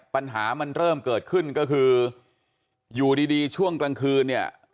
ปัญหามันเริ่มเกิดขึ้นก็คืออยู่ดีช่วงกลางคืนเนี่ย